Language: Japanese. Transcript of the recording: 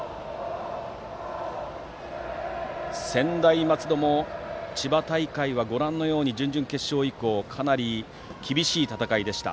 専大松戸も千葉大会はご覧のように準々決勝以降かなり厳しい戦いでした。